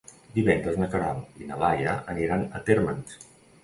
Divendres na Queralt i na Laia aniran a Térmens.